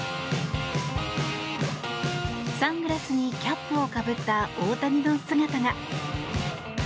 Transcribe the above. サングラスにキャップを被った大谷の姿が。